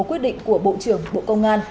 quyết định của bộ trưởng bộ công an